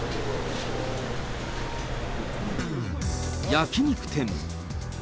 焼き肉店。